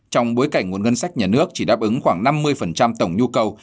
trong bối cảnh nguồn ngân sách nhà nước chỉ đáp ứng khoảng năm mươi tổng nhu cầu